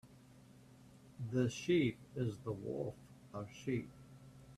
The sheep is the wolf of sheep.